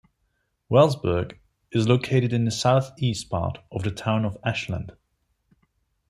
Wellsburg is located in the southeast part of the town of Ashland.